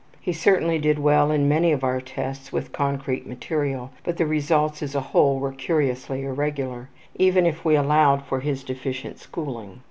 He certainly did well in many of our tests with concrete material, but the results as a whole were curiously irregular, even if we allowed for his deficient schooling.